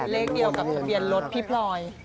เลขเดียวกับทะเบียนรถพี่พลอย